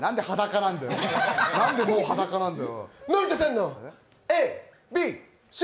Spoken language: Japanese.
なんでもう裸なんだよ。